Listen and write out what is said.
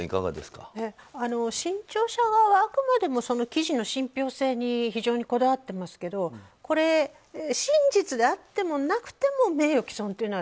新潮社側はあくまでも記事の信憑性に非常にこだわってますけど真実であってもなくても名誉毀損というのは